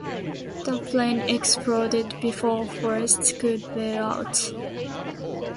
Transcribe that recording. The plane exploded before Forrest could bail out.